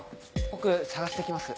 僕捜して来ます。